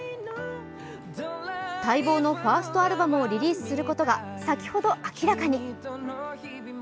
待望のファーストアルバムをリリースすることが先ほど明らかに。